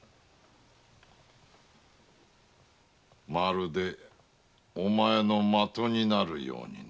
まるでお前の的になるようにな。